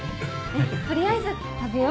取りあえず食べよう。